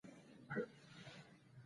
د دواب ولسوالۍ اوبه لري